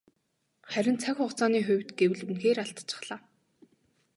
Харин цаг хугацааны хувьд гэвэл үнэхээр алдчихлаа.